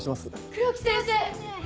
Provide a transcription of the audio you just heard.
黒木先生！